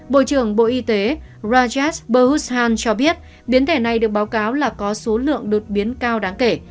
bộ trưởng bộ y tế rajas burhushan cho biết biến thể này được báo cáo là có số lượng đột biến cao đáng kể